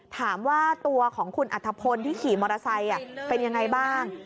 ถามว่าตัวของคุณอัฐพลที่ขี่มอเตอร์ไซค์เป็นยังไงบ้าง